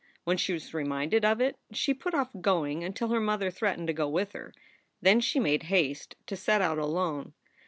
When she was re minded of it, she put off going until her mother threatened to go with her. Then she made haste to set out alone.